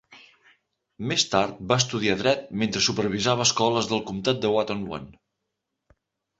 Més tard va estudiar dret mentre supervisava escoles del comtat de Watonwan.